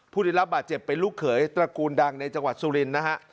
ผู้ได้รับบาดเจ็บเป็นลูกเขยตระกูลดังในจังหวัดสุรินทร์นะฮะ